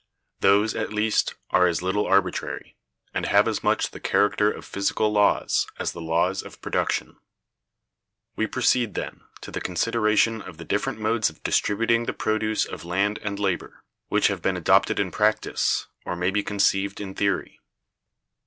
Those, at least, are as little arbitrary, and have as much the character of physical laws, as the laws of production. We proceed, then, to the consideration of the different modes of distributing the produce of land and labor, which have been adopted in practice, or may be conceived in theory.